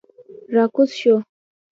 را کوز شوو.